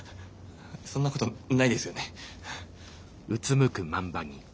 そんなことないですよね。